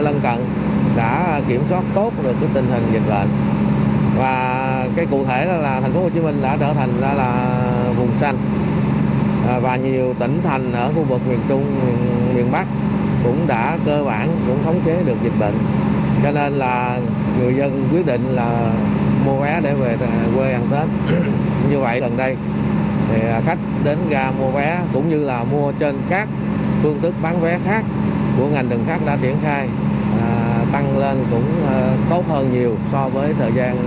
lên cũng tốt hơn nhiều so với thời gian đầu bán vé tết